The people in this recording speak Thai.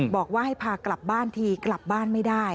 บอกว่าให้พากลับบ้านทีกลับบ้านไม่ได้